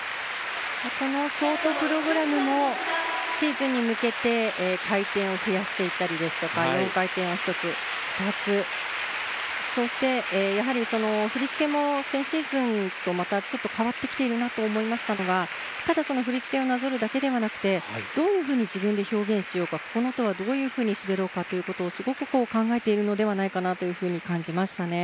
このショートプログラムもシーズンに向けて回転を増やしていったりですとか４回転を１つ２つそしてやはり振り付けも先シーズンとまたちょっと変わってきているなと思いましたのがただその振り付けをなぞるだけではなくてどういうふうに自分で表現しようかここの音はどういうふうに滑ろうかということをすごく考えているのではないかなというふうに感じましたね